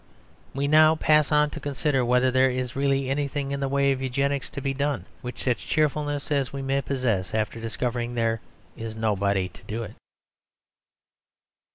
We now pass on to consider whether there is really anything in the way of Eugenics to be done, with such cheerfulness as we may possess after discovering that there is nobody to do it.